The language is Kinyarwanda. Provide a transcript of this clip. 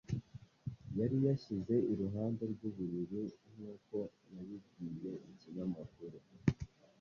yari yashyize iruhande rw’uburiri nk’uko yabibwiye ikinyamakuru